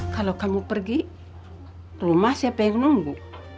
kalau kamu pergi rumah siapa yang nunggu